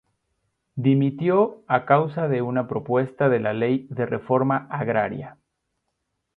Dimitió a causa de una propuesta de la Ley de Reforma Agraria.